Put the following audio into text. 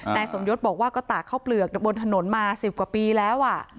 นายสมยศบอกว่าก็ตากข้าวเปลือกบนถนนมา๑๐กว่าปีแล้ว